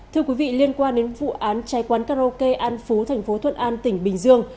thưa quý vị liên quan đến vụ án cháy quán karaoke an phú tp thuận an tỉnh bình dương